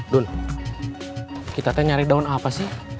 dun kita teh nyari daun apa sih